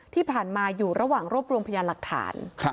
ที่ผ่านมาอยู่ระหว่างรวบรวมพยานหลักฐาน